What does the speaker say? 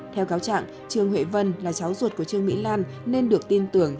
theo cáo trạng trương huệ vân là cháu ruột của trương mỹ lan nên được tin tưởng